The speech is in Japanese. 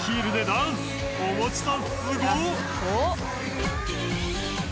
おもちさんすごっ！